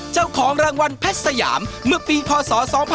เจ้าของรางวัลเพชรสยามเมื่อปีพศ๒๕๖๒